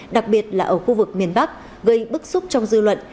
đặc biệt là ở khu vực miền bắc gây bức xúc trong dư luận